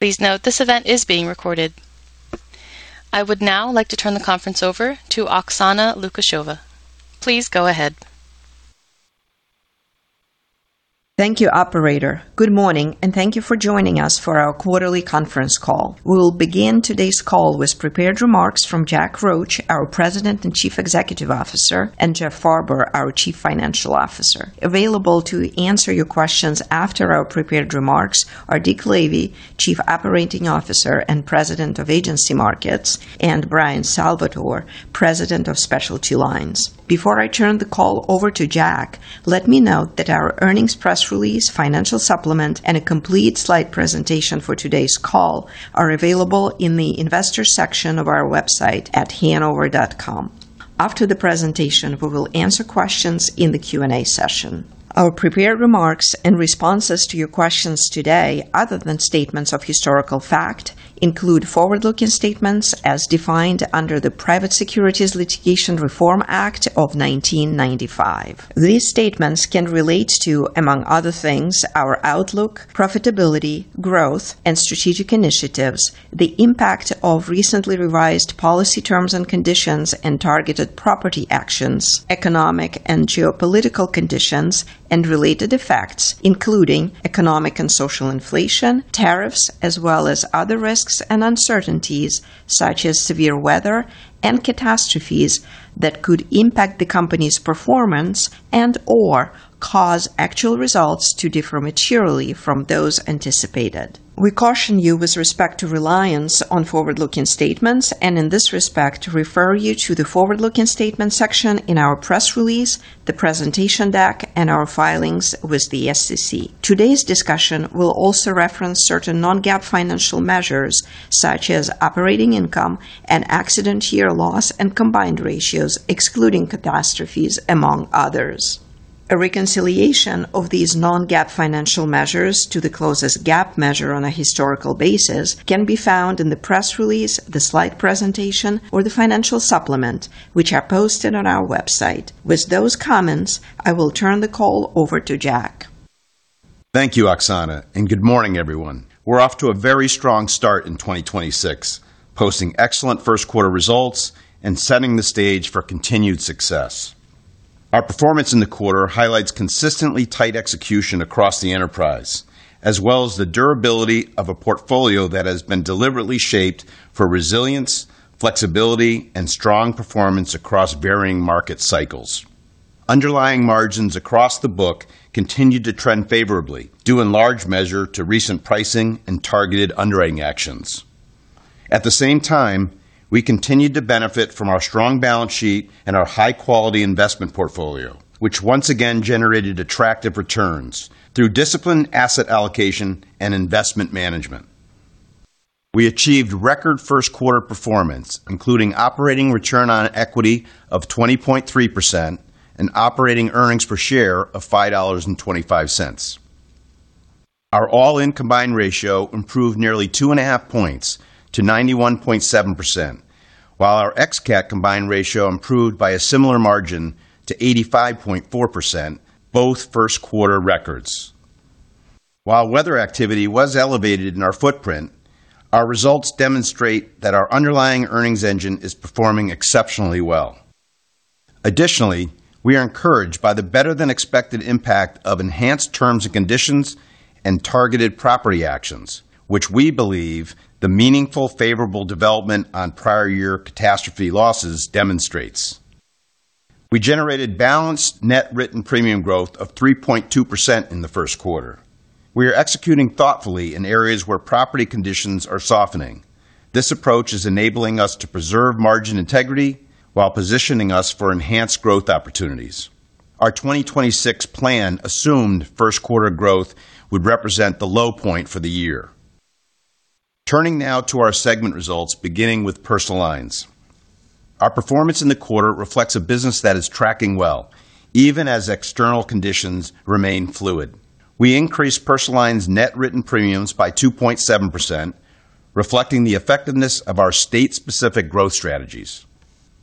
Please note this event is being recorded. I would now like to turn the conference over to Oksana Lukasheva. Please go ahead. Thank you, operator. Good morning, and thank you for joining us for our quarterly conference call. We will begin today's call with prepared remarks from Jack Roche, our President and Chief Executive Officer, and Jeff Farber, our Chief Financial Officer. Available to answer your questions after our prepared remarks are Dick Lavey, Chief Operating Officer and President of Agency Markets, and Bryan Salvatore, President of Specialty Lines. Before I turn the call over to Jack, let me note that our earnings press release, financial supplement, and a complete slide presentation for today's call are available in the investor section of our website at hanover.com. After the presentation, we will answer questions in the Q&A session. Our prepared remarks and responses to your questions today, other than statements of historical fact, include forward-looking statements as defined under the Private Securities Litigation Reform Act of 1995. These statements can relate to, among other things, our outlook, profitability, growth, and strategic initiatives, the impact of recently revised policy terms and conditions and targeted property actions, economic and geopolitical conditions and related effects, including economic and social inflation, tariffs, as well as other risks and uncertainties such as severe weather and catastrophes that could impact the company's performance and/or cause actual results to differ materially from those anticipated. We caution you with respect to reliance on forward-looking statements and in this respect, refer you to the forward-looking statements section in our press release, the presentation deck, and our filings with the SEC. Today's discussion will also reference certain non-GAAP financial measures such as operating income and accident year loss and combined ratios excluding catastrophes, among others. A reconciliation of these non-GAAP financial measures to the closest GAAP measure on a historical basis can be found in the press release, the slide presentation, or the financial supplement, which are posted on our website. With those comments, I will turn the call over to Jack. Thank you, Oksana. Good morning, everyone. We're off to a very strong start in 2026, posting excellent first quarter results and setting the stage for continued success. Our performance in the quarter highlights consistently tight execution across the enterprise, as well as the durability of a portfolio that has been deliberately shaped for resilience, flexibility, and strong performance across varying market cycles. Underlying margins across the book continued to trend favorably due in large measure to recent pricing and targeted underwriting actions. At the same time, we continued to benefit from our strong balance sheet and our high-quality investment portfolio, which once again generated attractive returns through disciplined asset allocation and investment management. We achieved record first quarter performance, including operating return on equity of 20.3% and operating earnings per share of $5.25. Our all-in combined ratio improved nearly 2.5 points to 91.7%, while our ex-CAT combined ratio improved by a similar margin to 85.4%, both first quarter records. While weather activity was elevated in our footprint, our results demonstrate that our underlying earnings engine is performing exceptionally well. Additionally, we are encouraged by the better-than-expected impact of enhanced terms and conditions and targeted property actions, which we believe the meaningful favorable development on prior year catastrophe losses demonstrates. We generated balanced net written premium growth of 3.2% in the first quarter. We are executing thoughtfully in areas where property conditions are softening. This approach is enabling us to preserve margin integrity while positioning us for enhanced growth opportunities. Our 2026 plan assumed first quarter growth would represent the low point for the year. Turning now to our segment results, beginning with Personal Lines. Our performance in the quarter reflects a business that is tracking well, even as external conditions remain fluid. We increased Personal Lines net written premiums by 2.7%, reflecting the effectiveness of our state-specific growth strategies.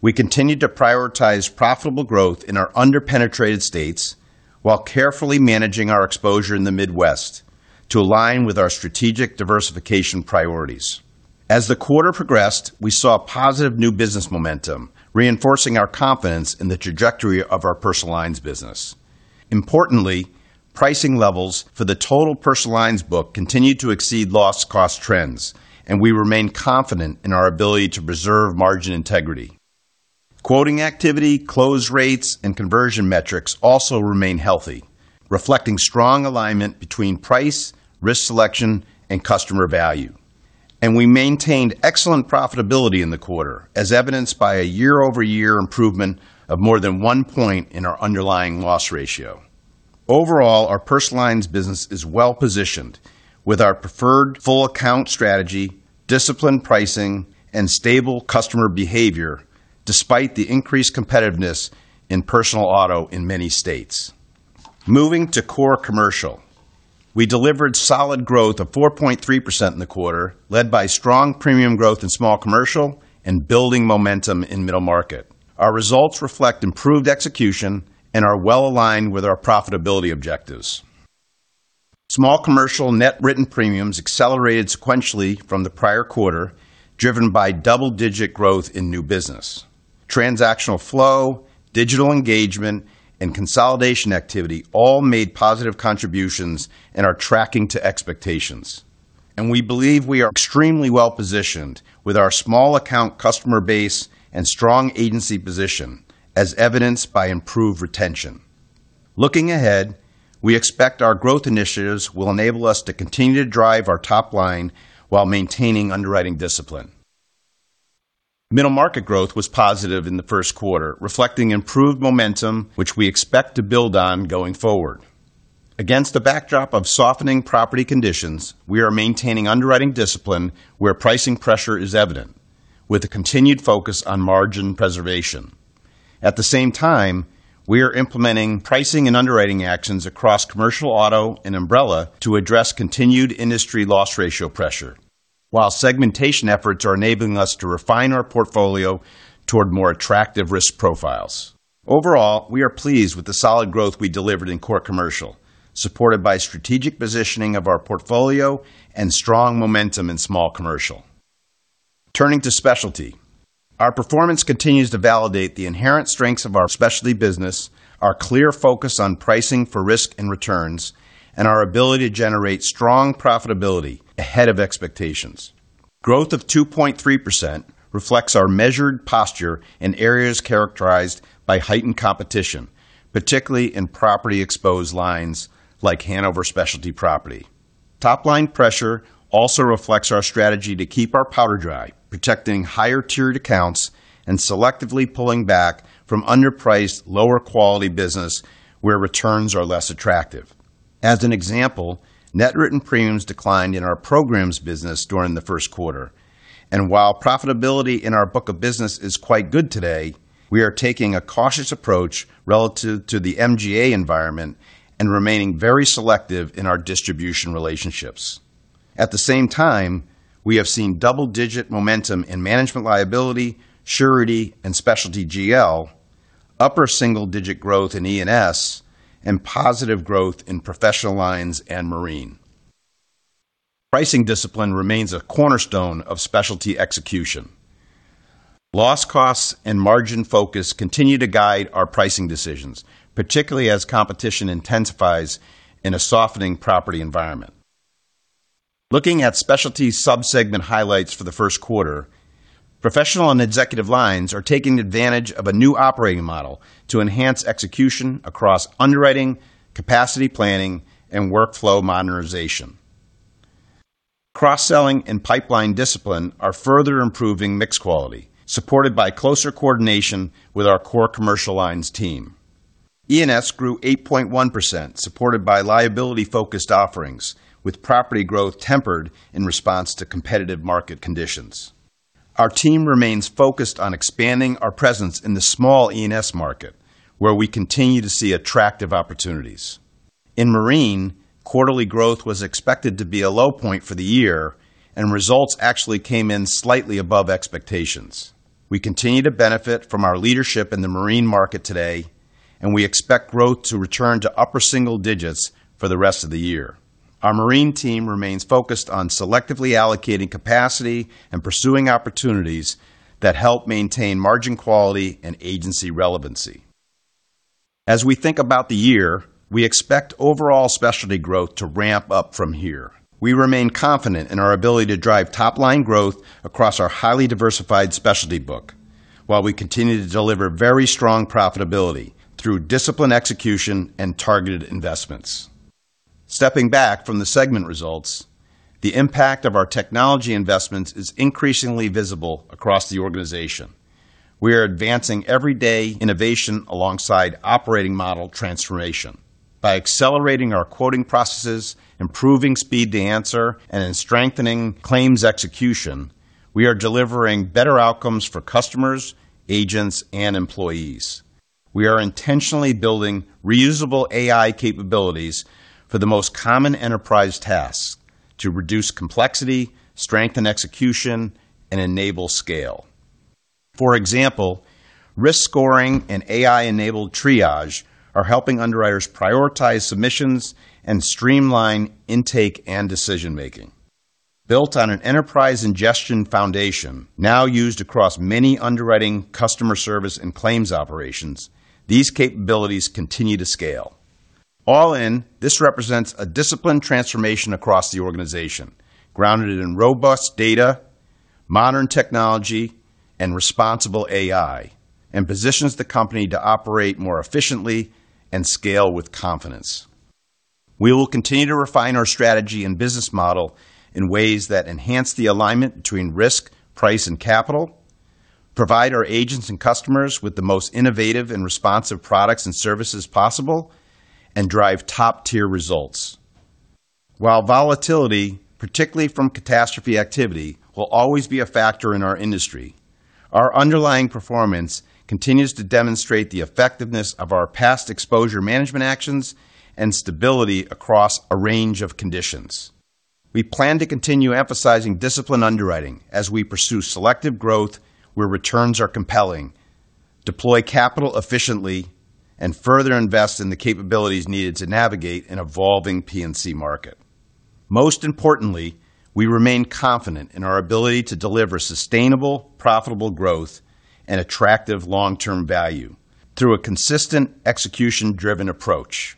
We continued to prioritize profitable growth in our under-penetrated states while carefully managing our exposure in the Midwest to align with our strategic diversification priorities. As the quarter progressed, we saw positive new business momentum, reinforcing our confidence in the trajectory of our Personal Lines business. Importantly, pricing levels for the total Personal Lines book continued to exceed loss cost trends, and we remain confident in our ability to preserve margin integrity. Quoting activity, close rates, and conversion metrics also remain healthy, reflecting strong alignment between price, risk selection, and customer value. We maintained excellent profitability in the quarter, as evidenced by a year-over-year improvement of more than 1 point in our underlying loss ratio. Overall, our Personal Lines business is well-positioned with our preferred full account strategy, disciplined pricing, and stable customer behavior, despite the increased competitiveness in Personal Auto in many states. Moving to Core Commercial. We delivered solid growth of 4.3% in the quarter, led by strong premium growth in Small Commercial and building momentum in Middle Market. Our results reflect improved execution and are well aligned with our profitability objectives. Small Commercial net written premiums accelerated sequentially from the prior quarter, driven by double-digit growth in new business. Transactional flow, digital engagement, and consolidation activity all made positive contributions and are tracking to expectations. We believe we are extremely well-positioned with our small account customer base and strong agency position, as evidenced by improved retention. Looking ahead, we expect our growth initiatives will enable us to continue to drive our top line while maintaining underwriting discipline. Middle Market growth was positive in the first quarter, reflecting improved momentum, which we expect to build on going forward. Against the backdrop of softening property conditions, we are maintaining underwriting discipline where pricing pressure is evident, with a continued focus on margin preservation. At the same time, we are implementing pricing and underwriting actions across Commercial Auto and Umbrella to address continued industry loss ratio pressure. While segmentation efforts are enabling us to refine our portfolio toward more attractive risk profiles. Overall, we are pleased with the solid growth we delivered in Core Commercial, supported by strategic positioning of our portfolio and strong momentum in Small Commercial. Turning to Specialty. Our performance continues to validate the inherent strengths of our Specialty business, our clear focus on pricing for risk and returns, and our ability to generate strong profitability ahead of expectations. Growth of 2.3% reflects our measured posture in areas characterized by heightened competition, particularly in property-exposed lines like Hanover Specialty Property. Top line pressure also reflects our strategy to keep our powder dry, protecting higher-tiered accounts and selectively pulling back from underpriced, lower-quality business where returns are less attractive. As an example, net written premiums declined in our Programs business during the first quarter. While profitability in our book of business is quite good today, we are taking a cautious approach relative to the MGA environment and remaining very selective in our distribution relationships. At the same time, we have seen double-digit momentum in Management liability, Surety, and Specialty GL, upper single-digit growth in E&S, and positive growth in Professional Lines and Marine. Pricing discipline remains a cornerstone of Specialty execution. Loss costs and margin focus continue to guide our pricing decisions, particularly as competition intensifies in a softening property environment. Looking at Specialty sub-segment highlights for the first quarter, Professional and Executive Lines are taking advantage of a new operating model to enhance execution across underwriting, capacity planning, and workflow modernization. Cross-selling and pipeline discipline are further improving mix quality, supported by closer coordination with our Core Commercial Lines team. E&S grew 8.1%, supported by liability-focused offerings, with property growth tempered in response to competitive market conditions. Our team remains focused on expanding our presence in the small E&S market, where we continue to see attractive opportunities. In Marine, quarterly growth was expected to be a low point for the year, and results actually came in slightly above expectations. We continue to benefit from our leadership in the Marine market today, and we expect growth to return to upper single digits for the rest of the year. Our Marine team remains focused on selectively allocating capacity and pursuing opportunities that help maintain margin quality and agency relevancy. As we think about the year, we expect overall Specialty growth to ramp up from here. We remain confident in our ability to drive top-line growth across our highly diversified Specialty book, while we continue to deliver very strong profitability through disciplined execution and targeted investments. Stepping back from the segment results, the impact of our technology investments is increasingly visible across the organization. We are advancing everyday innovation alongside operating model transformation. By accelerating our quoting processes, improving speed to answer, and in strengthening claims execution, we are delivering better outcomes for customers, agents, and employees. We are intentionally building reusable AI capabilities for the most common enterprise tasks to reduce complexity, strengthen execution, and enable scale. For example, risk scoring and AI-enabled triage are helping underwriters prioritize submissions and streamline intake and decision-making. Built on an enterprise ingestion foundation now used across many underwriting customer service and claims operations, these capabilities continue to scale. All in, this represents a disciplined transformation across the organization, grounded in robust data, modern technology, and responsible AI, and positions the company to operate more efficiently and scale with confidence. We will continue to refine our strategy and business model in ways that enhance the alignment between risk, price, and capital, provide our agents and customers with the most innovative and responsive products and services possible, and drive top-tier results. While volatility, particularly from catastrophe activity, will always be a factor in our industry, our underlying performance continues to demonstrate the effectiveness of our past exposure management actions and stability across a range of conditions. We plan to continue emphasizing disciplined underwriting as we pursue selective growth where returns are compelling, deploy capital efficiently, and further invest in the capabilities needed to navigate an evolving P&C market. Most importantly, we remain confident in our ability to deliver sustainable, profitable growth and attractive long-term value through a consistent, execution-driven approach.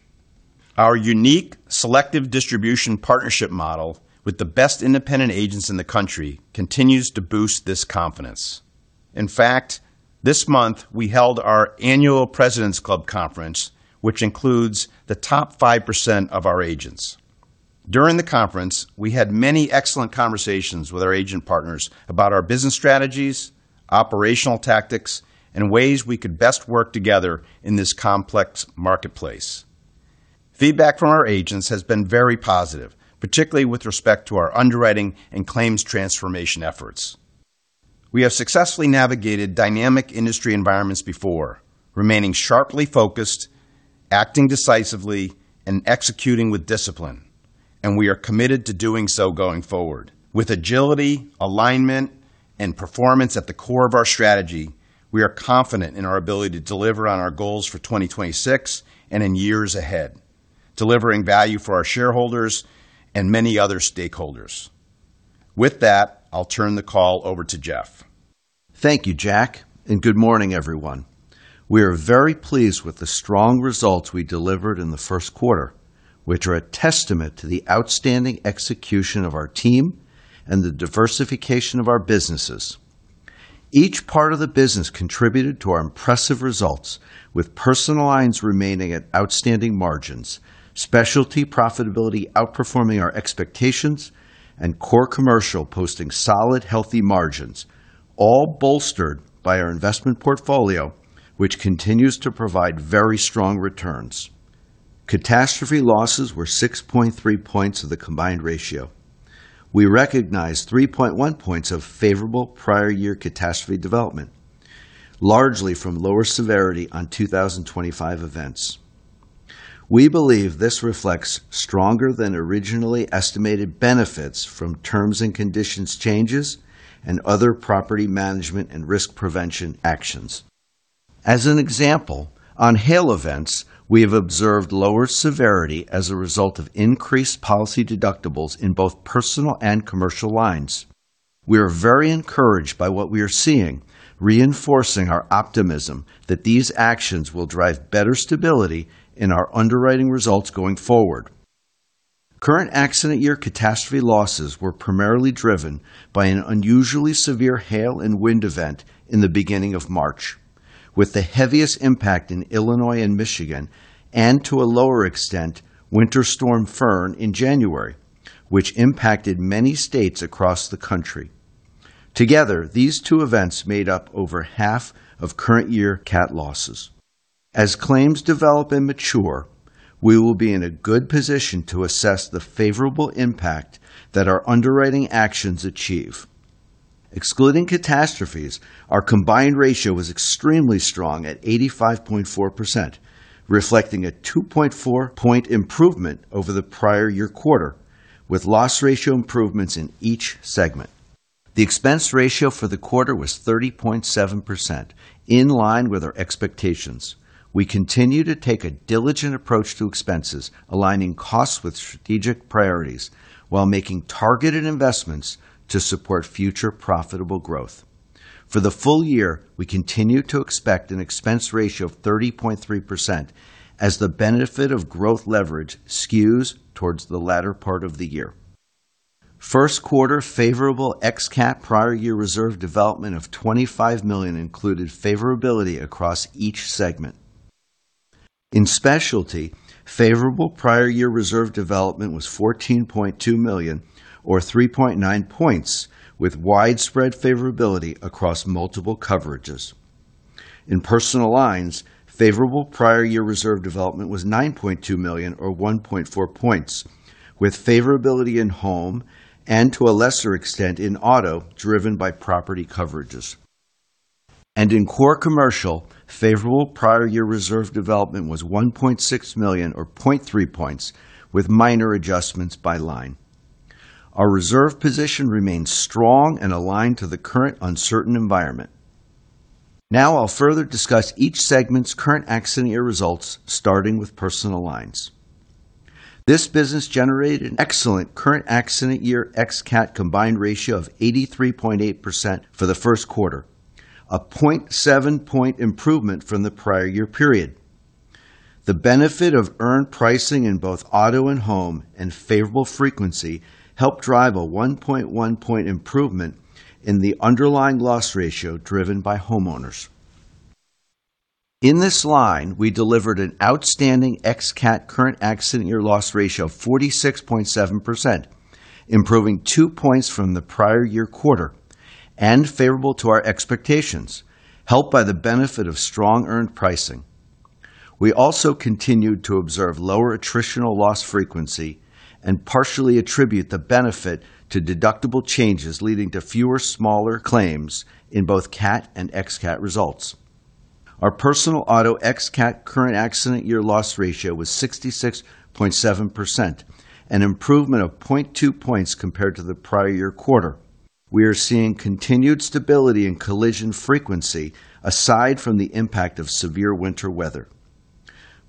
Our unique selective distribution partnership model with the best independent agents in the country continues to boost this confidence. In fact, this month, we held our annual President's Club conference, which includes the top 5% of our agents. During the conference, we had many excellent conversations with our agent partners about our business strategies, operational tactics, and ways we could best work together in this complex marketplace. Feedback from our agents has been very positive, particularly with respect to our underwriting and claims transformation efforts. We have successfully navigated dynamic industry environments before, remaining sharply focused, acting decisively, and executing with discipline, and we are committed to doing so going forward. With agility, alignment, and performance at the core of our strategy, we are confident in our ability to deliver on our goals for 2026 and in years ahead, delivering value for our shareholders and many other stakeholders. With that, I'll turn the call over to Jeff. Thank you, Jack, and good morning, everyone. We are very pleased with the strong results we delivered in the first quarter, which are a testament to the outstanding execution of our team and the diversification of our businesses. Each part of the business contributed to our impressive results, with Personal Lines remaining at outstanding margins, Specialty profitability outperforming our expectations, and Core Commercial posting solid, healthy margins, all bolstered by our investment portfolio, which continues to provide very strong returns. Catastrophe losses were 6.3 points of the combined ratio. We recognized 3.1 points of favorable prior year catastrophe development, largely from lower severity on 2025 events. We believe this reflects stronger than originally estimated benefits from terms and conditions changes and other property management and risk prevention actions. As an example, on hail events, we have observed lower severity as a result of increased policy deductibles in both personal and commercial lines. We are very encouraged by what we are seeing, reinforcing our optimism that these actions will drive better stability in our underwriting results going forward. Current accident year CAT losses were primarily driven by an unusually severe hail and wind event in the beginning of March, with the heaviest impact in Illinois and Michigan, and to a lower extent, Winter Storm Fern in January, which impacted many states across the country. Together, these two events made up over half of current year CAT losses. As claims develop and mature, we will be in a good position to assess the favorable impact that our underwriting actions achieve. Excluding catastrophes, our combined ratio was extremely strong at 85.4%, reflecting a 2.4 point improvement over the prior year quarter, with loss ratio improvements in each segment. The expense ratio for the quarter was 30.7%, in line with our expectations. We continue to take a diligent approach to expenses, aligning costs with strategic priorities while making targeted investments to support future profitable growth. For the full year, we continue to expect an expense ratio of 30.3% as the benefit of growth leverage skews towards the latter part of the year. First quarter favorable ex-CAT prior year reserve development of $25 million included favorability across each segment. In Specialty, favorable prior year reserve development was $14.2 million or 3.9 points, with widespread favorability across multiple coverages. In Personal Lines, favorable prior year reserve development was $9.2 million or 1.4 points, with favorability in Home and to a lesser extent in Auto, driven by property coverages. In Core Commercial, favorable prior year reserve development was $1.6 million or 0.3 points, with minor adjustments by line. Our reserve position remains strong and aligned to the current uncertain environment. Now I'll further discuss each segment's current accident year results, starting with Personal Lines. This business generated an excellent current accident year ex-CAT combined ratio of 83.8% for the first quarter, a 0.7 point improvement from the prior year period. The benefit of earned pricing in both Auto and Home and favorable frequency helped drive a 1.1 point improvement in the underlying loss ratio driven by Homeowners. In this line, we delivered an outstanding ex-CAT current accident year loss ratio of 46.7%, improving two points from the prior year quarter and favorable to our expectations, helped by the benefit of strong earned pricing. We also continued to observe lower attritional loss frequency and partially attribute the benefit to deductible changes leading to fewer smaller claims in both CAT and ex-CAT results. Our personal auto ex-CAT current accident year loss ratio was 66.7%, an improvement of 0.2 points compared to the prior year quarter. We are seeing continued stability in collision frequency aside from the impact of severe winter weather.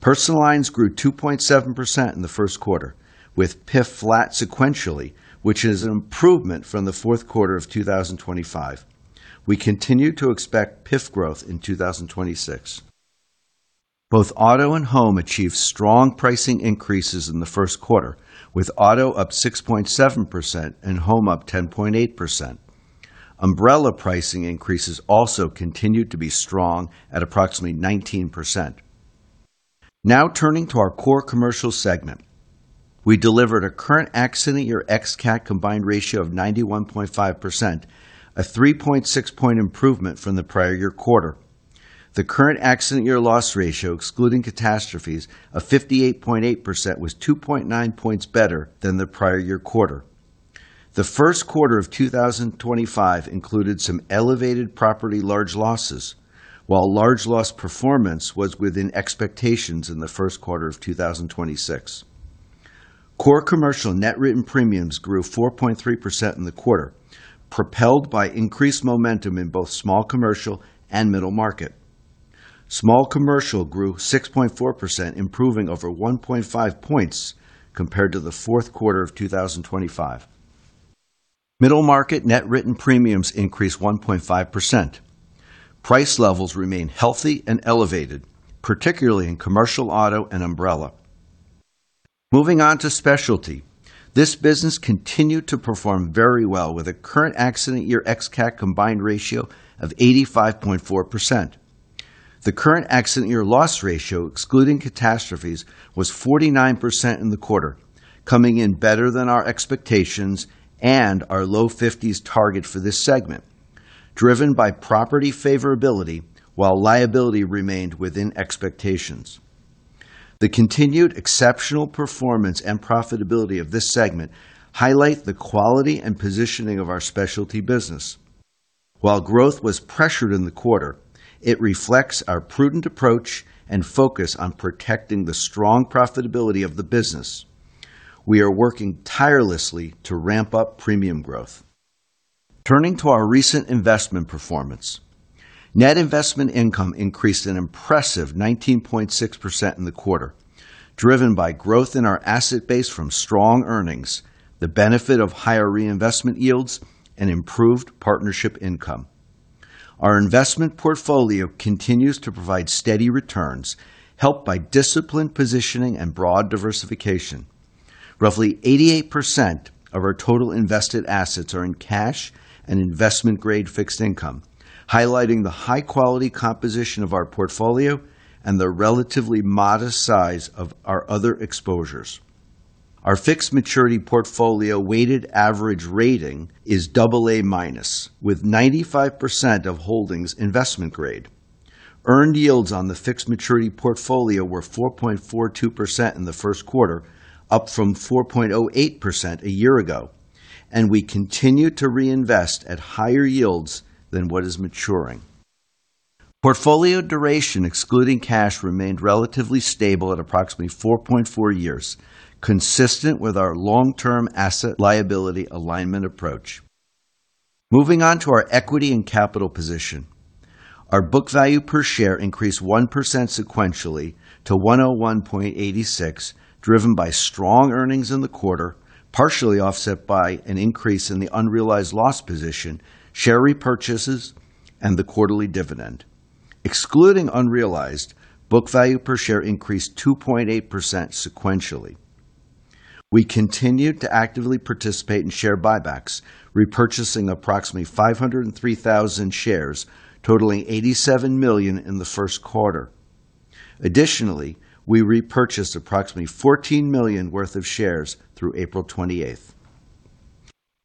Personal Lines grew 2.7% in the first quarter, with PIF flat sequentially, which is an improvement from the fourth quarter of 2025. We continue to expect PIF growth in 2026. Both auto and home achieved strong pricing increases in the first quarter, with auto up 6.7% and home up 10.8%. Umbrella pricing increases also continued to be strong at approximately 19%. Turning to our Core Commercial segment. We delivered a current accident year ex-CAT combined ratio of 91.5%, a 3.6 point improvement from the prior year quarter. The current accident year loss ratio, excluding catastrophes of 58.8%, was 2.9 points better than the prior year quarter. The first quarter of 2025 included some elevated property large losses, while large loss performance was within expectations in the first quarter of 2026. Core Commercial net written premiums grew 4.3% in the quarter, propelled by increased momentum in both Small Commercial and Middle Market. Small Commercial grew 6.4%, improving over 1.5 points compared to the fourth quarter of 2025. Middle Market net written premiums increased 1.5%. Price levels remain healthy and elevated, particularly in Commercial Auto and Umbrella. Moving on to Specialty. This business continued to perform very well with a current accident year ex-CAT combined ratio of 85.4%. The current accident year loss ratio, excluding catastrophes, was 49% in the quarter, coming in better than our expectations and our low 50s target for this segment, driven by property favorability while liability remained within expectations. The continued exceptional performance and profitability of this segment highlight the quality and positioning of our Specialty business. While growth was pressured in the quarter, it reflects our prudent approach and focus on protecting the strong profitability of the business. We are working tirelessly to ramp up premium growth. Turning to our recent investment performance. Net investment income increased an impressive 19.6% in the quarter, driven by growth in our asset base from strong earnings, the benefit of higher reinvestment yields and improved partnership income. Our investment portfolio continues to provide steady returns, helped by disciplined positioning and broad diversification. Roughly 88% of our total invested assets are in cash and investment-grade fixed income, highlighting the high-quality composition of our portfolio and the relatively modest size of our other exposures. Our fixed maturity portfolio weighted average rating is AA-, with 95% of holdings investment grade. Earned yields on the fixed maturity portfolio were 4.42% in the first quarter, up from 4.08% a year ago, and we continue to reinvest at higher yields than what is maturing. Portfolio duration, excluding cash, remained relatively stable at approximately 4.4 years, consistent with our long-term asset liability alignment approach. Moving on to our equity and capital position. Our book value per share increased 1% sequentially to $101.86, driven by strong earnings in the quarter, partially offset by an increase in the unrealized loss position, share repurchases, and the quarterly dividend. Excluding unrealized, book value per share increased 2.8% sequentially. We continued to actively participate in share buybacks, repurchasing approximately 503,000 shares, totaling $87 million in the first quarter. Additionally, we repurchased approximately $14 million worth of shares through April 28th.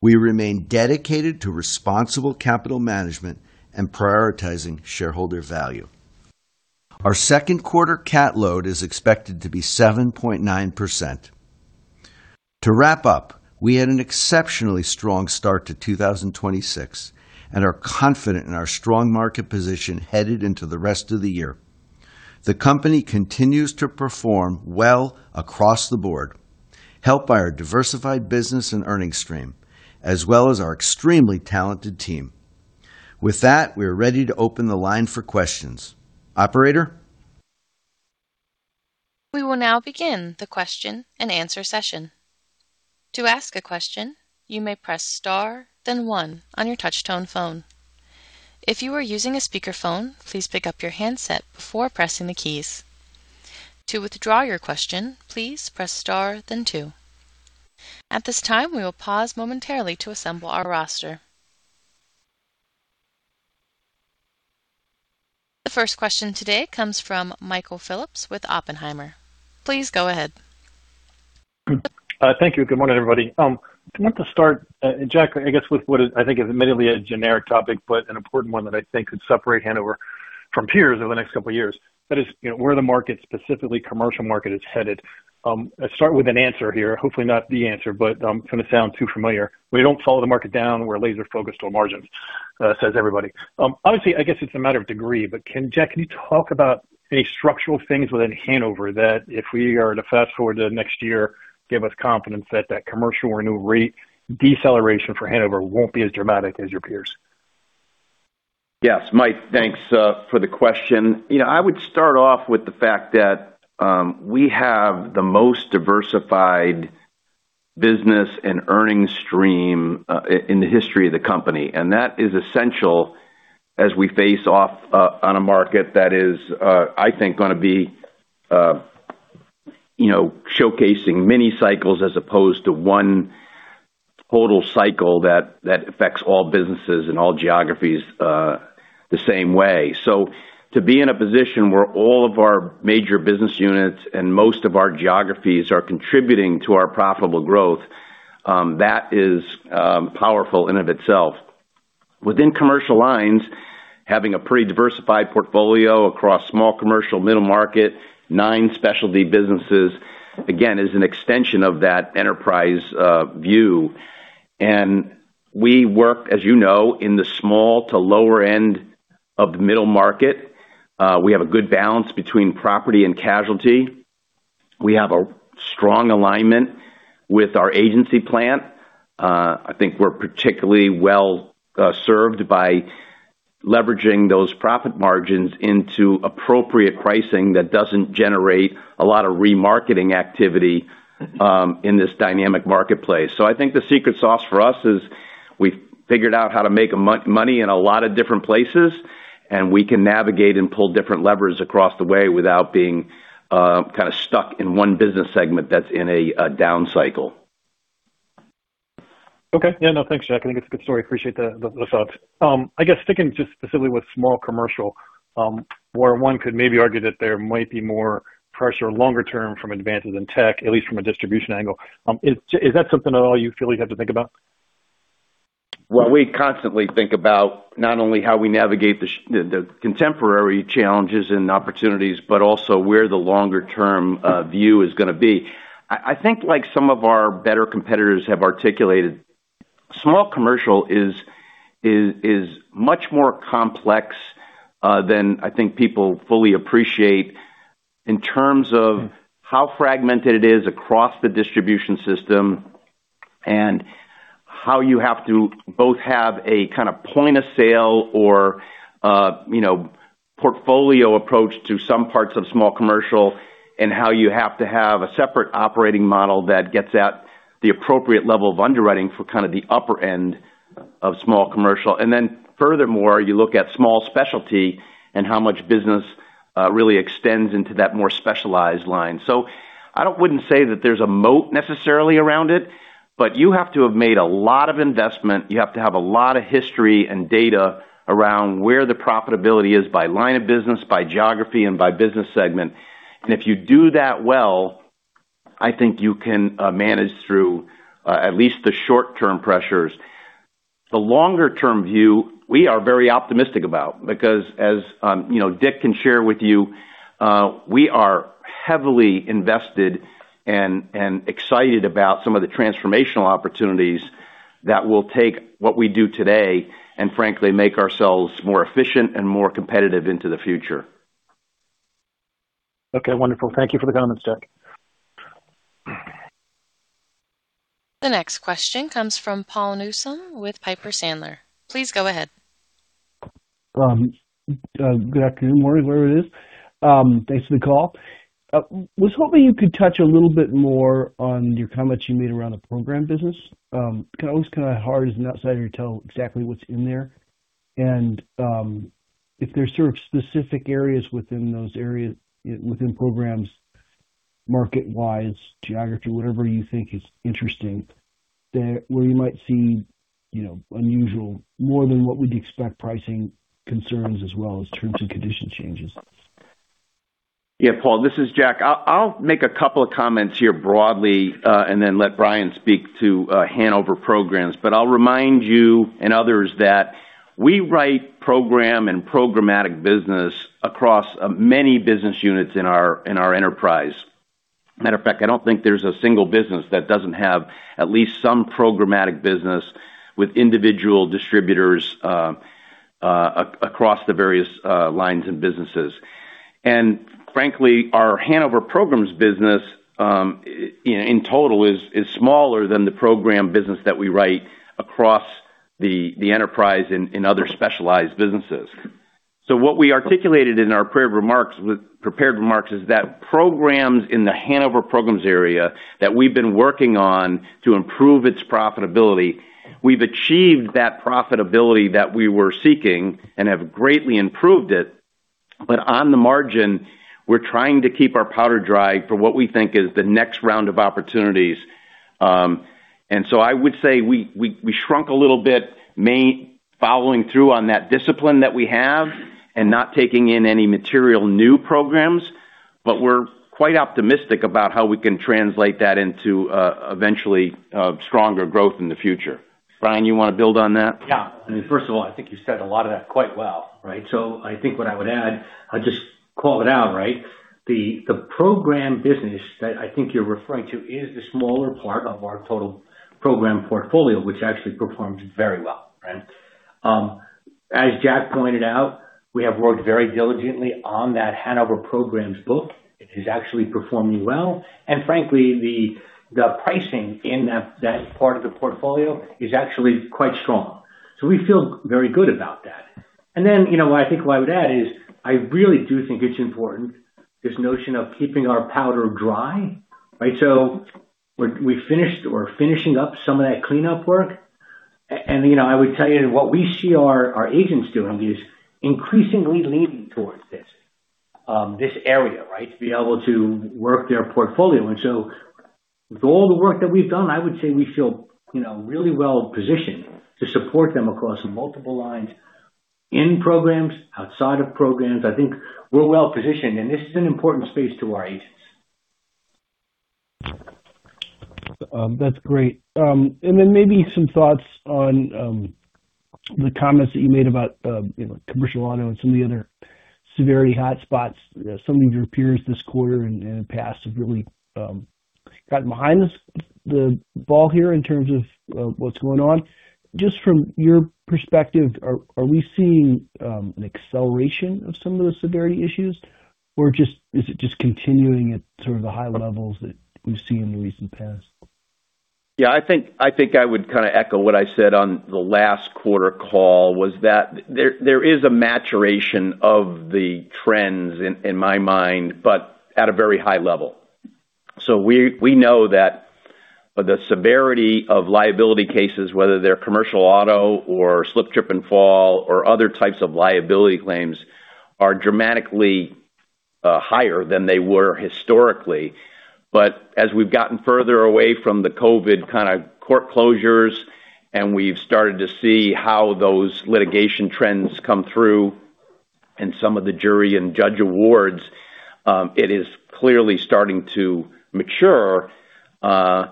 We remain dedicated to responsible capital management and prioritizing shareholder value. Our second quarter CAT load is expected to be 7.9%. To wrap up, we had an exceptionally strong start to 2026 and are confident in our strong market position headed into the rest of the year. The company continues to perform well across the board, helped by our diversified business and earnings stream, as well as our extremely talented team. With that, we are ready to open the line for questions. Operator? The first question today comes from Michael Phillips with Oppenheimer. Please go ahead. Thank you. Good morning, everybody. I'd like to start, Jack, I guess with what is I think is admittedly a generic topic, but an important one that I think could separate Hanover from peers over the next couple of years. That is, you know, where the market, specifically commercial market, is headed. Let's start with an answer here. Hopefully not the answer, but it's gonna sound too familiar. We don't follow the market down. We're laser-focused on margins. Says everybody. Obviously, I guess it's a matter of degree, but Jack, can you talk about any structural things within Hanover that if we are to fast-forward to next year, give us confidence that that commercial renew rate deceleration for Hanover won't be as dramatic as your peers? Yes. Mike, thanks for the question. You know, I would start off with the fact that we have the most diversified business and earning stream in the history of the company. That is essential as we face off on a market that is, I think gonna be, you know, showcasing many cycles as opposed to one total cycle that affects all businesses and all geographies the same way. To be in a position where all of our major business units and most of our geographies are contributing to our profitable growth, that is powerful in and of itself. Within Commercial Lines, having a pretty diversified portfolio across Small Commercial Middle Market, nine Specialty businesses, again, is an extension of that enterprise view. We work, as you know, in the small to lower end of the Middle Market. We have a good balance between property and casualty. We have a strong alignment with our agency plan. I think we're particularly well served by leveraging those profit margins into appropriate pricing that doesn't generate a lot of remarketing activity in this dynamic marketplace. I think the secret sauce for us is we figured out how to make money in a lot of different places, and we can navigate and pull different levers across the way without being kind of stuck in one business segment that's in a down cycle. Okay. Yeah, no, thanks, Jack. I think it's a good story. Appreciate the thoughts. I guess sticking just specifically with Small Commercial, where one could maybe argue that there might be more pressure longer term from advances in tech, at least from a distribution angle, is that something at all you feel you have to think about? Well, we constantly think about not only how we navigate the contemporary challenges and opportunities, but also where the longer-term view is gonna be. I think like some of our better competitors have articulated, Small Commercial is much more complex than I think people fully appreciate in terms of how fragmented it is across the distribution system and how you have to both have a kind of point of sale or, you know, portfolio approach to some parts of Small Commercial and how you have to have a separate operating model that gets at the appropriate level of underwriting for kind of the upper end of Small Commercial. Furthermore, you look at Small Specialty and how much business really extends into that more specialized line. I wouldn't say that there's a moat necessarily around it, but you have to have made a lot of investment. You have to have a lot of history and data around where the profitability is by line of business, by geography, and by business segment. If you do that well, I think you can manage through at least the short-term pressures. The longer-term view, we are very optimistic about because as you know, Dick can share with you, we are heavily invested and excited about some of the transformational opportunities that will take what we do today and frankly make ourselves more efficient and more competitive into the future. Okay, wonderful. Thank you for the comments, Jack. The next question comes from Paul Newsome with Piper Sandler. Please go ahead. Good afternoon, morning, whatever it is. Thanks for the call. Was hoping you could touch a little bit more on your, how much you made around the program business. Kind of, always kind of hard as an outsider to tell exactly what's in there. If there's sort of specific areas within those areas, within programs, market-wise, geography, whatever you think is interesting that we might see, you know, unusual more than what we'd expect pricing concerns as well as terms and condition changes. Yeah. Paul, this is Jack. I'll make a couple of comments here broadly, then let Bryan speak to Hanover Programs. I'll remind you and others that we write program and programmatic business across many business units in our enterprise. Matter of fact, I don't think there's a single business that doesn't have at least some programmatic business with individual distributors across the various lines and businesses. Frankly, our Hanover Programs business in total is smaller than the program business that we write across the enterprise in other specialized businesses. What we articulated in our prepared remarks is that programs in the Hanover Programs area that we've been working on to improve its profitability, we've achieved that profitability that we were seeking and have greatly improved it. On the margin, we're trying to keep our powder dry for what we think is the next round of opportunities. I would say we shrunk a little bit following through on that discipline that we have and not taking in any material new programs. We're quite optimistic about how we can translate that into eventually stronger growth in the future. Bryan, you wanna build on that? Yeah. I mean, first of all, I think you said a lot of that quite well, right? So I think what I would add, I'll just call it out, right? The program business that I think you're referring to is the smaller part of our total program portfolio, which actually performed very well. As Jack pointed out, we have worked very diligently on that Hanover Programs book. It is actually performing well. Frankly, the pricing in that part of the portfolio is actually quite strong. We feel very good about that. You know, I think what I would add is I really do think it's important, this notion of keeping our powder dry, right? We finished or finishing up some of that cleanup work. You know, I would tell you what we see our agents doing is increasingly leaning towards this area, right? To be able to work their portfolio. With all the work that we've done, I would say we feel, you know, really well-positioned to support them across multiple lines in programs, outside of programs. I think we're well-positioned, and this is an important space to our agents. That's great. Then maybe some thoughts on the comments that you made about, you know, Commercial Auto and some of the other severity hotspots. Some of your peers this quarter and in the past have really gotten behind this, the ball here in terms of what's going on. Just from your perspective, are we seeing an acceleration of some of the severity issues or is it just continuing at sort of the high levels that we've seen in the recent past? Yeah, I think I would kind of echo what I said on the last quarter call, was that there is a maturation of the trends in my mind, but at a very high level. We know that the severity of liability cases, whether they're Commercial Auto or slip, trip, and fall or other types of liability claims, are dramatically higher than they were historically. As we've gotten further away from the COVID kind of court closures, and we've started to see how those litigation trends come through in some of the jury and judge awards, it is clearly starting to mature. I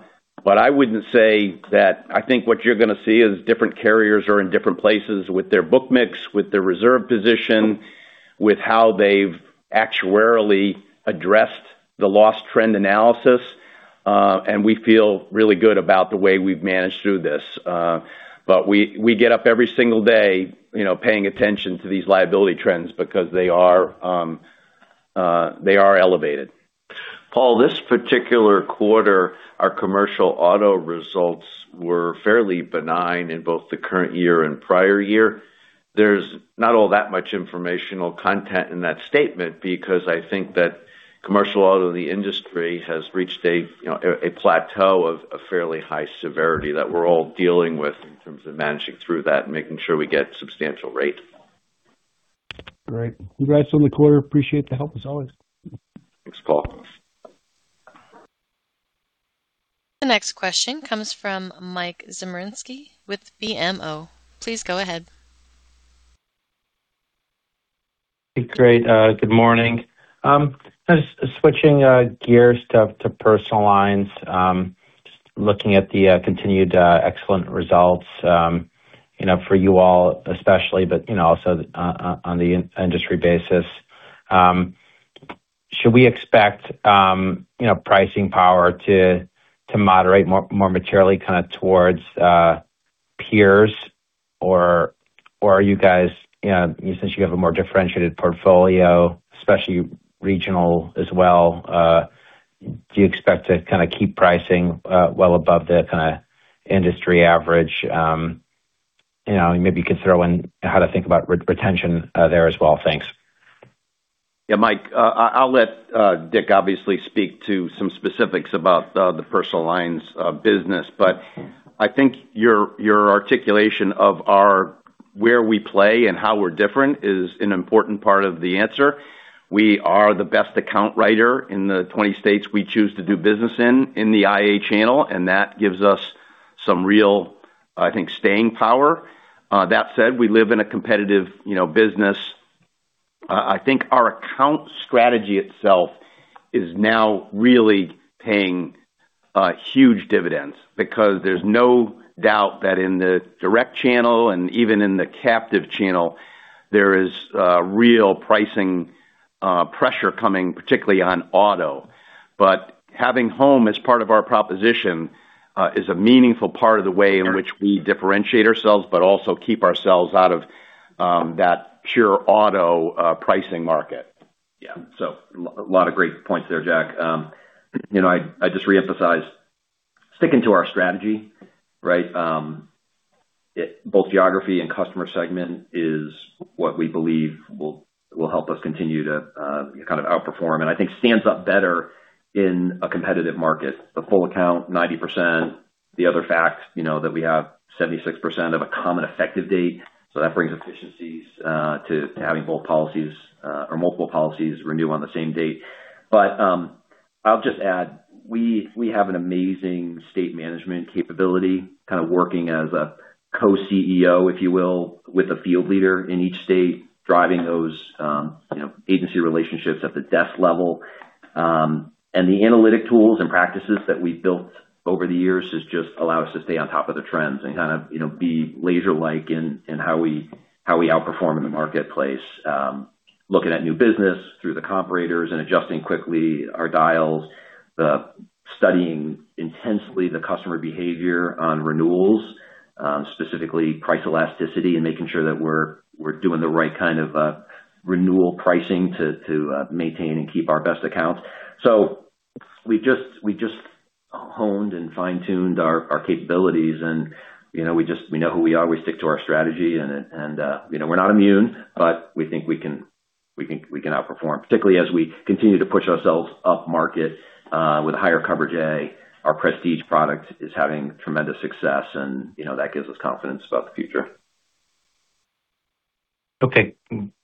think what you're gonna see is different carriers are in different places with their book mix, with their reserve position, with how they've actuarially addressed the loss trend analysis, and we feel really good about the way we've managed through this. We get up every single day, you know, paying attention to these liability trends because they are elevated. Paul, this particular quarter, our Commercial Auto results were fairly benign in both the current year and prior year. There's not all that much informational content in that statement because I think that Commercial Auto in the industry has reached a, you know, a plateau of a fairly high severity that we're all dealing with in terms of managing through that and making sure we get substantial rate. Great. Congrats on the quarter. Appreciate the help as always. Thanks, Paul. The next question comes from Michael Zaremski with BMO. Please go ahead. Great. Good morning. Just switching gears to Personal Lines. Just looking at the continued excellent results, you know, for you all especially, but, you know, also on the industry basis. Should we expect, you know, pricing power to moderate more materially kind of towards peers? Or are you guys, you know, since you have a more differentiated portfolio, especially regional as well, do you expect to kind of keep pricing well above the kind of industry average? You know, and maybe you could throw in how to think about retention there as well. Thanks. Yeah, Mike, I'll let Dick obviously speak to some specifics about the Personal Lines business, but I think your articulation of our where we play and how we're different is an important part of the answer. We are the best account writer in the 20 states we choose to do business in the IA channel, and that gives us some real, I think, staying power. That said, we live in a competitive, you know, business. I think our account strategy itself is now really paying huge dividends because there's no doubt that in the direct channel and even in the captive channel, there is real pricing pressure coming particularly on auto. Having home as part of our proposition, is a meaningful part of the way in which we differentiate ourselves but also keep ourselves out of that pure auto pricing market. Yeah. A lot of great points there, Jack. You know, I just reemphasize sticking to our strategy, right? Both geography and customer segment is what we believe will help us continue to kind of outperform, and I think stands up better in a competitive market. The full account, 90%, the other facts, you know, that we have 76% of a common effective date, so that brings efficiencies to having both policies or multiple policies renew on the same date. I'll just add, we have an amazing state management capability, kind of working as a co-CEO, if you will, with a field leader in each state, driving those, you know, agency relationships at the desk level. The analytic tools and practices that we've built over the years has just allowed us to stay on top of the trends and kind of, you know, be laser-like in how we outperform in the marketplace. Looking at new business through the comparators and adjusting quickly our dials, the Studying intensely the customer behavior on renewals, specifically price elasticity and making sure that we're doing the right kind of renewal pricing to maintain and keep our best accounts. We just honed and fine-tuned our capabilities and, you know, we know who we are. We stick to our strategy and, you know, we're not immune, but we think we can outperform, particularly as we continue to push ourselves upmarket with higher coverage A. Our Prestige product is having tremendous success and, you know, that gives us confidence about the future. Okay,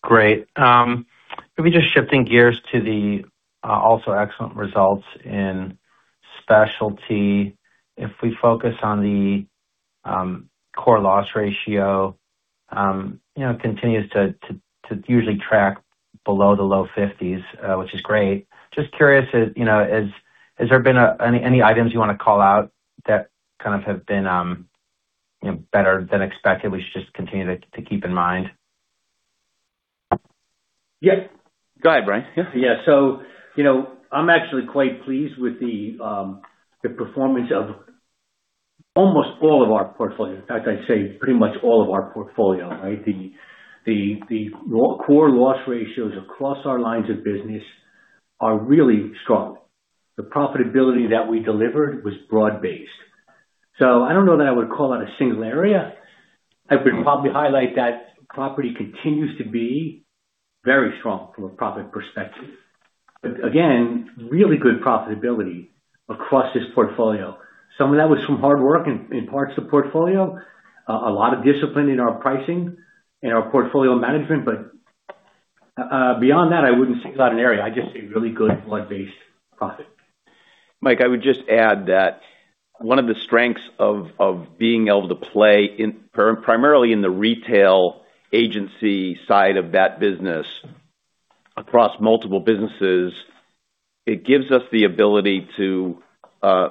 great. Maybe just shifting gears to the also excellent results in Specialty. If we focus on the core loss ratio, you know, continues to usually track below the low fifties, which is great. Just curious, you know, has there been any items you want to call out that kind of have been, you know, better than expected we should just continue to keep in mind? Yeah. Go ahead, Bryan. Yeah. Yeah. You know, I'm actually quite pleased with the performance of almost all of our portfolio. As I say, pretty much all of our portfolio, right? The core loss ratios across our lines of business are really strong. The profitability that we delivered was broad-based. I don't know that I would call out a single area. I would probably highlight that property continues to be very strong from a profit perspective. Again, really good profitability across this portfolio. Some of that was from hard work in parts of the portfolio, a lot of discipline in our pricing and our portfolio management. Beyond that, I wouldn't single out an area. I'd just say really good broad-based profit. Mike, I would just add that one of the strengths of being able to play in primarily in the retail agency side of that business across multiple businesses, it gives us the ability to,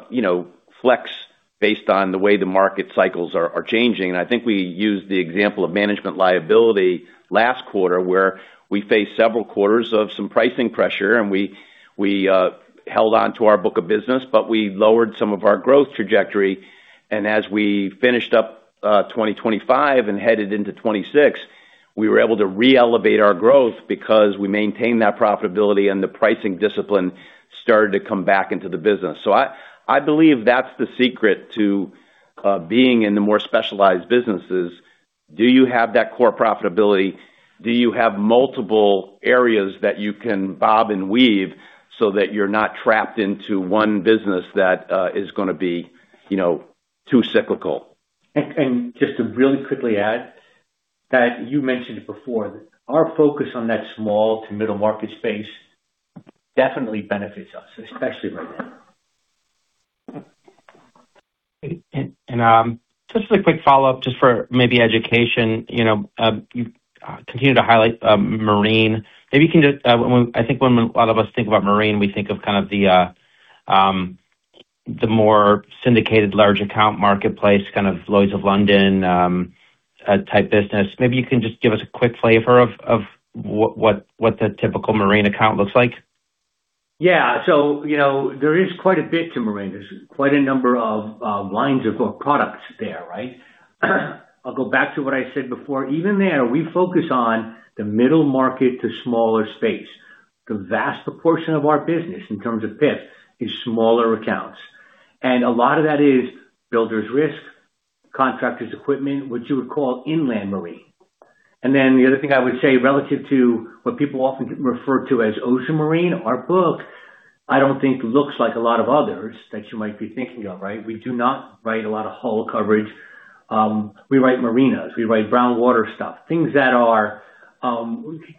you know, flex based on the way the market cycles are changing. I think we used the example of Management liability last quarter, where we faced several quarters of some pricing pressure, and we held on to our book of business, but we lowered some of our growth trajectory. As we finished up 2025 and headed into 2026, we were able to re-elevate our growth because we maintained that profitability and the pricing discipline started to come back into the business. I believe that's the secret to being in the more specialized businesses. Do you have that core profitability? Do you have multiple areas that you can bob and weave so that you're not trapped into one business that is gonna be, you know, too cyclical? Just to really quickly add that you mentioned it before, that our focus on that small to middle market space definitely benefits us, especially right now. Just as a quick follow-up, just for maybe education, you know, you continue to highlight Marine. Maybe you can just, I think when a lot of us think about Marine, we think of kind of the more syndicated large account marketplace, kind of Lloyd's of London type business. Maybe you can just give us a quick flavor of what the typical Marine account looks like. Yeah. You know, there is quite a bit to Marine. There's quite a number of lines of products there, right? I'll go back to what I said before. Even there, we focus on the Middle Market to smaller space. The vast proportion of our business in terms of PIF is smaller accounts, and a lot of that is Builders Risk, contractors equipment, which you would call Inland Marine. The other thing I would say, relative to what people often refer to as Ocean Marine, our book, I don't think looks like a lot of others that you might be thinking of, right? We do not write a lot of hull coverage. We write marinas, we write brown water stuff, things that are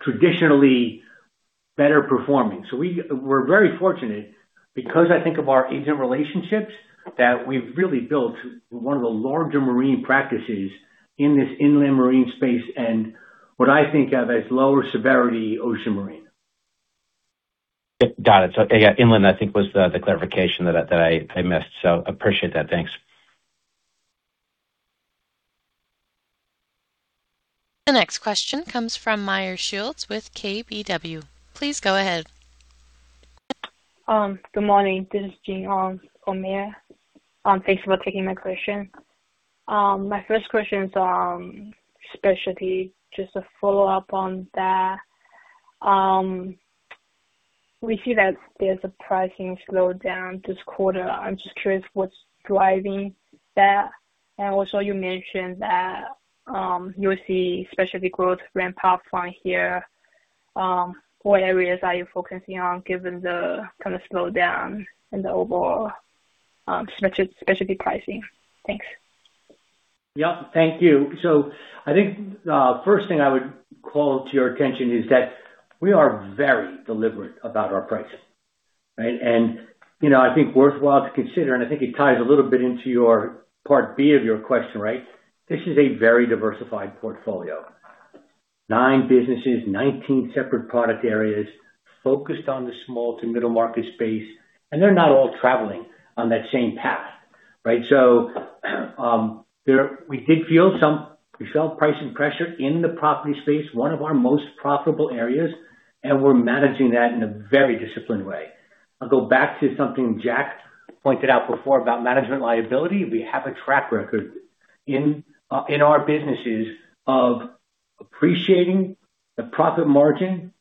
traditionally better performing. We're very fortunate because I think of our agent relationships, that we've really built one of the larger marine practices in this Inland Marine space and what I think of as lower severity Ocean Marine. Got it. Yeah, inland, I think was the clarification that I missed. Appreciate that. Thanks. The next question comes from Meyer Shields with KBW. Please go ahead. Good morning. This is Jing on for Meyer. Thanks for taking my question. My first question is on Specialty. Just a follow-up on that. We see that there's a pricing slowdown this quarter. I'm just curious what's driving that. Also you mentioned that you'll see Specialty growth ramp up from here. What areas are you focusing on given the kind of slowdown in the overall Specialty pricing? Thanks. Thank you. I think, first thing I would call to your attention is that we are very deliberate about our pricing, right? You know, I think worthwhile to consider, and I think it ties a little bit into your part B of your question, right? This is a very diversified portfolio. nine businesses, 19 separate product areas focused on the small to middle market space, and they're not all traveling on that same path, right? We felt pricing pressure in the property space, one of our most profitable areas, and we're managing that in a very disciplined way. I'll go back to something Jack pointed out before about Management liability. We have a track record in our businesses of appreciating the profit margin,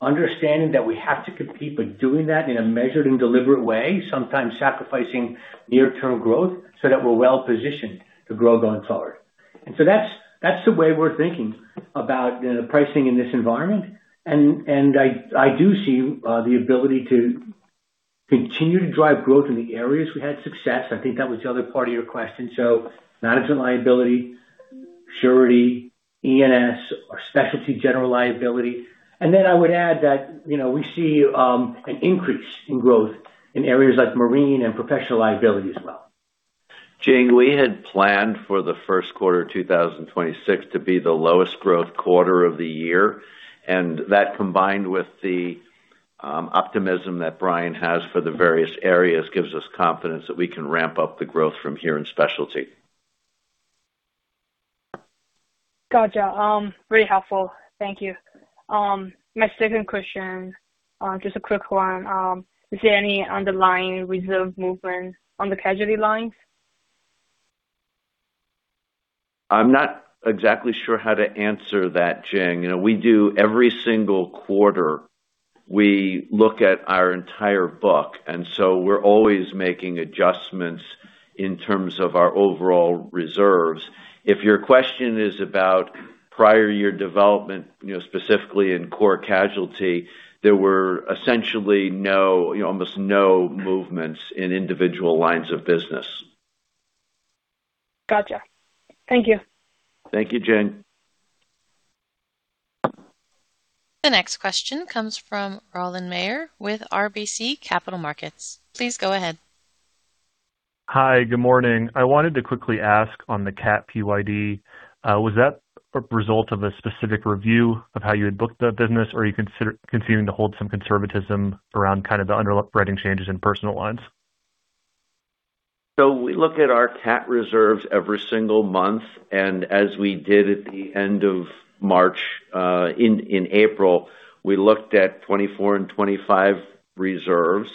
understanding that we have to compete, but doing that in a measured and deliberate way, sometimes sacrificing near-term growth so that we're well-positioned to grow going forward. That's, that's the way we're thinking about, you know, pricing in this environment. I do see the ability to continue to drive growth in the areas we had success. I think that was the other part of your question. Management liability, Surety, E&S, our Specialty General Liability. I would add that, you know, we see an increase in growth in areas like Marine and Professional liability as well. Jing, we had planned for the first quarter 2020 to be the lowest growth quarter of the year, and that combined with the optimism that Bryan has for the various areas, gives us confidence that we can ramp up the growth from here in Specialty. Gotcha. Really helpful. Thank you. My second question, just a quick one. Is there any underlying reserve movement on the casualty lines? I'm not exactly sure how to answer that, Jing. You know, we do every single quarter, we look at our entire book, and so we're always making adjustments in terms of our overall reserves. If your question is about prior year development, you know, specifically in core casualty, there were essentially no, you know, almost no movements in individual lines of business. Gotcha. Thank you. Thank you, Jing. The next question comes from Roland Meyer with RBC Capital Markets. Please go ahead. Hi. Good morning. I wanted to quickly ask on the CAT PYD, was that a result of a specific review of how you had booked the business, or are you continuing to hold some conservatism around kind of the underwriting changes in Personal Lines? We look at our CAT reserves every single month, and as we did at the end of March, in April, we looked at 24 and 25 reserves.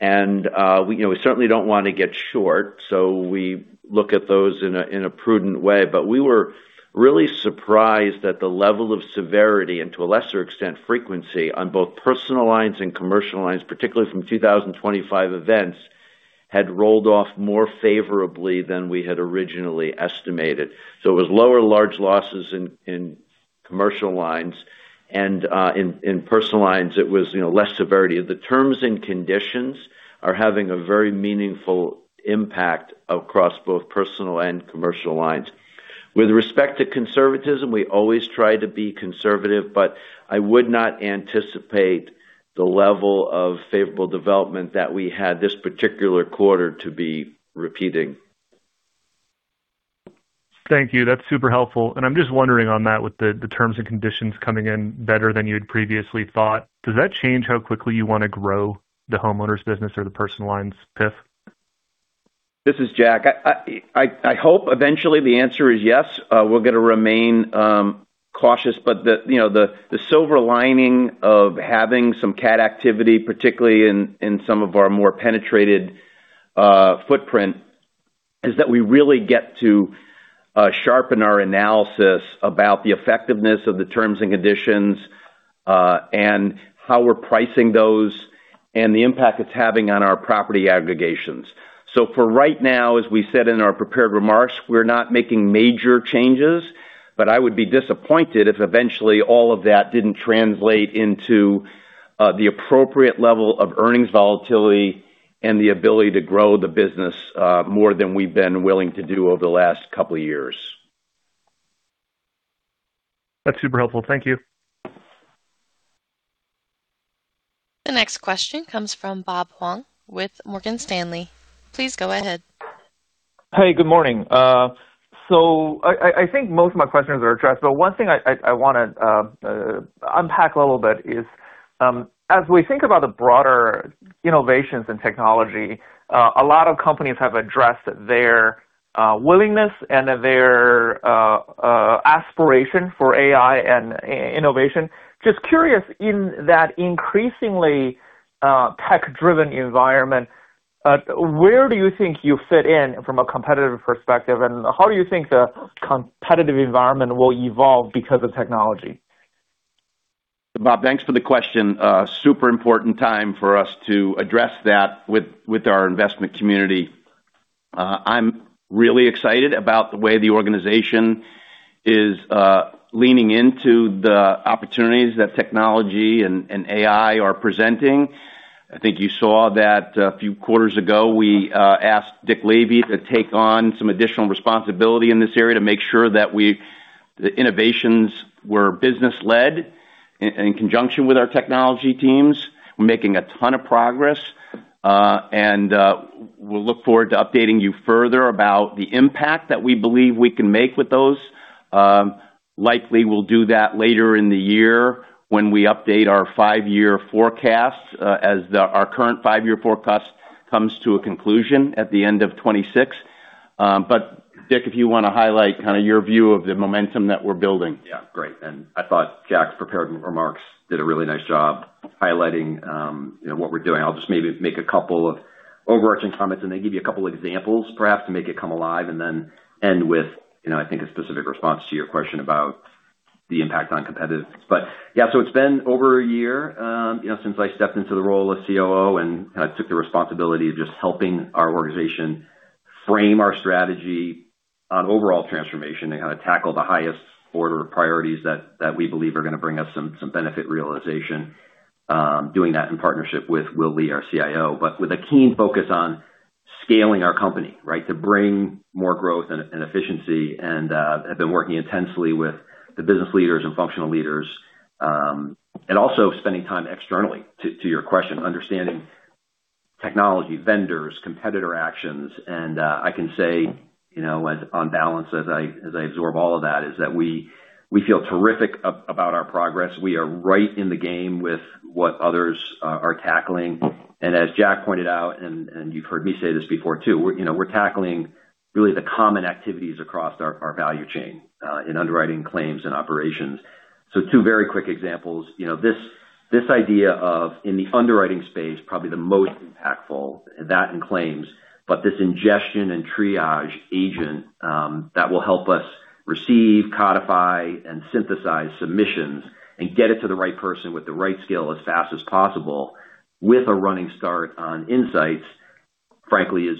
We, you know, we certainly don't want to get short, so we look at those in a prudent way. We were really surprised at the level of severity, and to a lesser extent, frequency on both Personal Lines and commercial lines, particularly from 2025 events, had rolled off more favorably than we had originally estimated. It was lower large losses in commercial lines and in Personal Lines, it was, you know, less severity. The terms and conditions are having a very meaningful impact across both Personal Lines and commercial lines. With respect to conservatism, we always try to be conservative, but I would not anticipate the level of favorable development that we had this particular quarter to be repeating. Thank you. That's super helpful. I'm just wondering on that, with the terms and conditions coming in better than you had previously thought, does that change how quickly you want to grow the homeowners business or the Personal Lines PIF? This is Jack. I hope eventually the answer is yes. We're going to remain cautious, but you know, the silver lining of having some CAT activity, particularly in some of our more penetrated footprint, is that we really get to sharpen our analysis about the effectiveness of the terms and conditions and how we're pricing those and the impact it's having on our property aggregations. For right now, as we said in our prepared remarks, we're not making major changes, but I would be disappointed if eventually all of that didn't translate into the appropriate level of earnings volatility and the ability to grow the business more than we've been willing to do over the last couple of years. That's super helpful. Thank you. The next question comes from Bob Huang with Morgan Stanley. Please go ahead. Hey, good morning. I think most of my questions are addressed, but one thing I wanna unpack a little bit is, as we think about the broader innovations in technology, a lot of companies have addressed their willingness and their aspiration for AI and innovation. Just curious, in that increasingly tech-driven environment, where do you think you fit in from a competitive perspective, and how do you think the competitive environment will evolve because of technology? Bob, thanks for the question. Super important time for us to address that with our investment community. I'm really excited about the way the organization is leaning into the opportunities that technology and AI are presenting. I think you saw that a few quarters ago, we asked Dick Lavey to take on some additional responsibility in this area to make sure that the innovations were business-led in conjunction with our technology teams. We're making a ton of progress, and we'll look forward to updating you further about the impact that we believe we can make with those. Likely we'll do that later in the year when we update our five-year forecast, as our current five-year forecast comes to a conclusion at the end of 2026. Dick, if you wanna highlight kind of your view of the momentum that we're building. Yeah, great. I thought Jack's prepared remarks did a really nice job highlighting, you know, what we're doing. I'll just maybe make a couple of overarching comments, and then give you a couple examples perhaps to make it come alive, and then end with, you know, I think a specific response to your question about the impact on competitiveness. Yeah, it's been over a year, you know, since I stepped into the role of COO and kind of took the responsibility of just helping our organization frame our strategy on overall transformation and kind of tackle the highest order of priorities that we believe are gonna bring us some benefit realization, doing that in partnership with Will Lee, our CIO. With a keen focus on scaling our company, right? To bring more growth and efficiency, have been working intensely with the business leaders and functional leaders, and also spending time externally to your question, understanding technology, vendors, competitor actions. I can say, you know, as on balance, as I absorb all of that, is that we feel terrific about our progress. We are right in the game with what others are tackling. As Jack pointed out, and you've heard me say this before too, we're, you know, tackling really the common activities across our value chain in underwriting claims and operations. Two very quick examples. You know, this idea of in the underwriting space, probably the most impactful, that and claims, but this ingestion and triage agent, that will help us receive, codify, and synthesize submissions and get it to the right person with the right skill as fast as possible with a running start on insights, frankly is,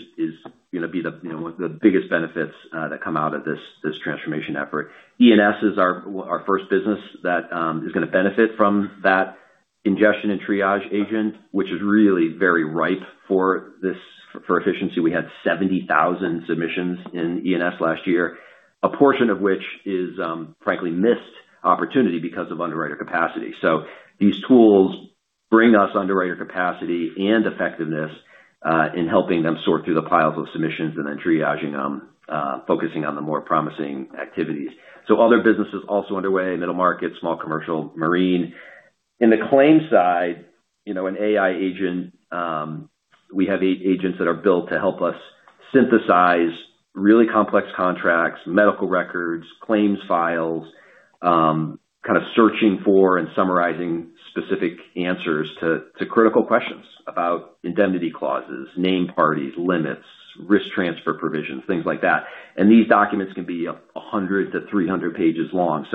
you know, be the, you know, one of the biggest benefits that come out of this transformation effort. E&S is our first business that is gonna benefit from that ingestion and triage agent, which is really very ripe for this for efficiency. We had 70,000 submissions in E&S last year, a portion of which is, frankly missed opportunity because of underwriter capacity. These tools bring us underwriter capacity and effectiveness in helping them sort through the piles of submissions and then triaging them, focusing on the more promising activities. Other businesses also underway, Middle Market, Small Commercial, Marine. In the claims side, you know, an AI agent, we have agents that are built to help us synthesize really complex contracts, medical records, claims files, kind of searching for and summarizing specific answers to critical questions about indemnity clauses, named parties, limits, risk transfer provisions, things like that. These documents can be 100 to 300 pages long.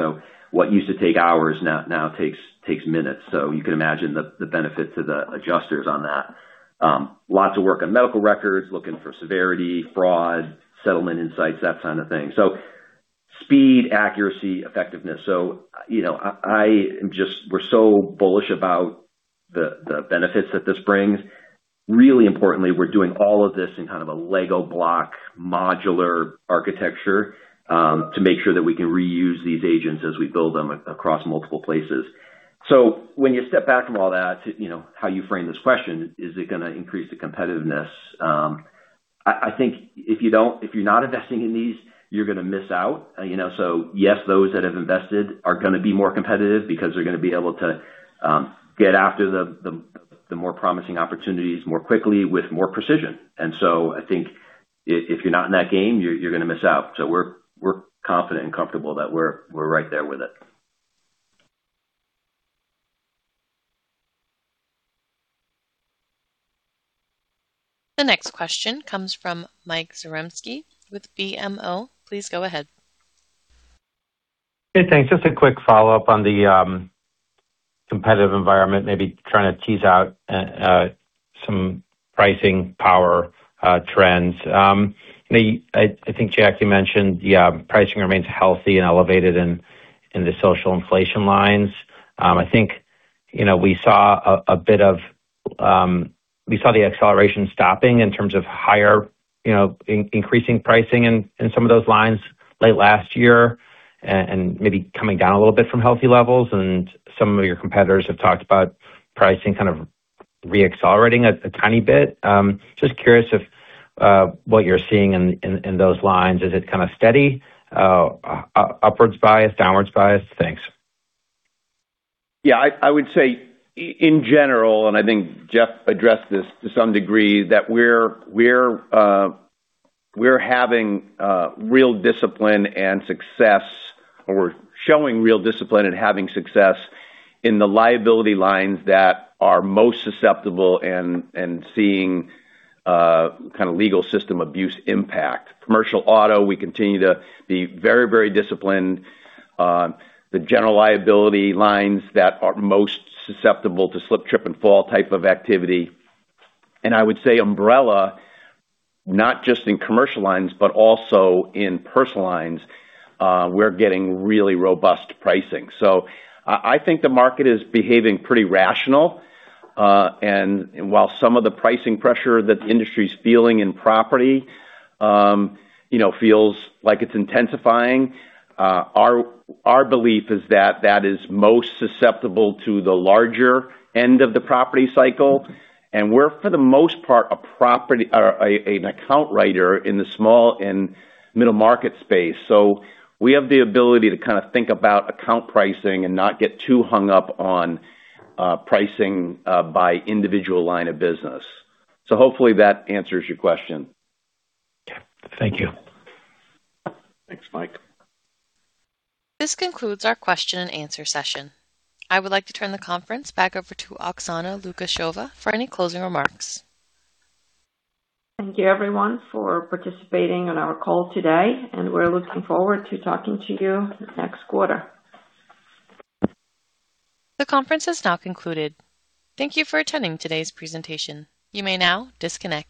What used to take hours now takes minutes. You can imagine the benefit to the adjusters on that. Lots of work on medical records, looking for severity, fraud, settlement insights, that kind of thing. Speed, accuracy, effectiveness. You know, we're so bullish about the benefits that this brings. Really importantly, we're doing all of this in kind of a Lego block modular architecture to make sure that we can reuse these agents as we build them across multiple places. When you step back from all that to, you know, how you frame this question, is it gonna increase the competitiveness? I think if you're not investing in these, you're gonna miss out. You know? Yes, those that have invested are gonna be more competitive because they're gonna be able to get after the more promising opportunities more quickly with more precision. I think if you're not in that game, you're gonna miss out. We're confident and comfortable that we're right there with it. The next question comes from Michael Zaremski with BMO. Please go ahead. Hey, thanks. Just a quick follow-up on the competitive environment, maybe trying to tease out some pricing power trends. You know, I think, Jack, you mentioned the pricing remains healthy and elevated in the social inflation lines. I think, you know, we saw the acceleration stopping in terms of higher, you know, increasing pricing in some of those lines late last year and maybe coming down a little bit from healthy levels, and some of your competitors have talked about pricing kind of re-accelerating a tiny bit. Just curious if what you're seeing in those lines. Is it kind of steady? Upwards biased? Downwards biased? Thanks. Yeah, I would say in general, I think Jeff addressed this to some degree, that we're, we're having real discipline and success, or we're showing real discipline and having success in the liability lines that are most susceptible and seeing kind of legal system abuse impact. Commercial Auto, we continue to be very, very disciplined on the general liability lines that are most susceptible to slip, trip, and fall type of activity. I would say Umbrella, not just in commercial lines, but also in Personal Lines, we're getting really robust pricing. I think the market is behaving pretty rational. While some of the pricing pressure that the industry's feeling in property, you know, feels like it's intensifying, our belief is that that is most susceptible to the larger end of the property cycle. We're, for the most part, an account writer in the small and middle market space. We have the ability to kind of think about account pricing and not get too hung up on pricing by individual line of business. Hopefully that answers your question. Okay. Thank you. Thanks, Mike. This concludes our question and answer session. I would like to turn the conference back over to Oksana Lukasheva for any closing remarks. Thank you everyone for participating on our call today, and we're looking forward to talking to you next quarter. The conference has now concluded. Thank you for attending today's presentation. You may now disconnect.